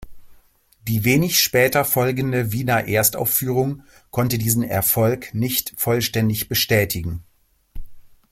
Die wenig später folgende Wiener Erstaufführung konnte diesen Erfolg nicht vollständig bestätigen.